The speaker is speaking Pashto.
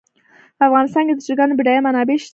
په افغانستان کې د چرګانو بډایه منابع شته.